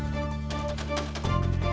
terima kasih atas waktunya